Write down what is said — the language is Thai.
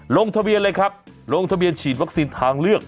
ลงทะเบียนเลยครับลงทะเบียนฉีดวัคซีนทางเลือก